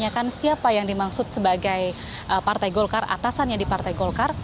tanyakan siapa yang dimaksud sebagai partai golkar atasannya di partai golkar